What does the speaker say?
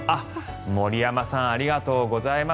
森山さんありがとうございます。